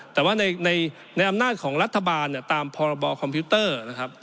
แต่ว่าในอำนาจของรัฐบาลเนี่ยตามพรบคอมพิวเตอร์นะครับ